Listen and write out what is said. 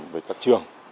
với các trường